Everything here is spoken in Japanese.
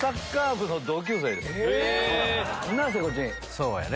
そうやね。